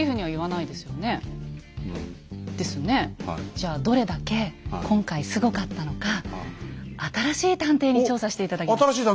じゃあどれだけ今回すごかったのか新しい探偵に調査して頂きました。